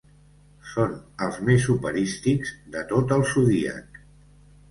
Són els més operístics de tot el Zodíac.